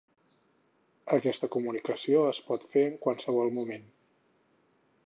Aquesta comunicació es pot fer en qualsevol moment.